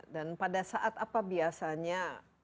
dan pada saat apa biasanya